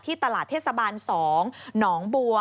ตลาดเทศบาล๒หนองบัว